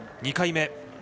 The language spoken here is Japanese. ２回目。